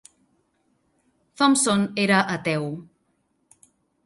Thompson era ateu.